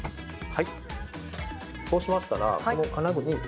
はい。